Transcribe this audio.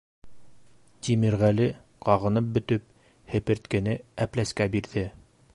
Тимерғәле, ҡағынып бөтөп, һеперткене Әпләскә бирҙе.